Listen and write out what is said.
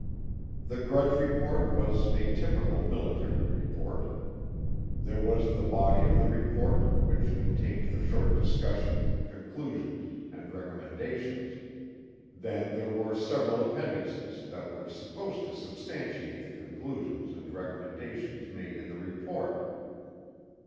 The Grudge Report was a typical military report. There was the body of the report, which contained the short discussion, conclusions, and recommendations. Then there were several appendixes that were supposed to substantiate the conclusions and recommendations made in the report.